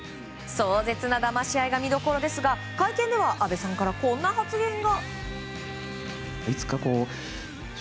壮絶なだまし合いが見所ですが会見では阿部さんからこんな発言が。